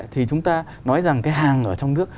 thì chúng ta nói rằng cái hàng ở trong nước